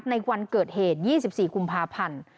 ในวันเกิดเหตุ๒๔กุมภาพันธ์